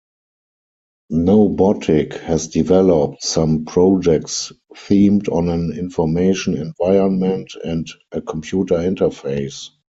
Knowbotic has developed some projects themed on an information environment and a computer interface.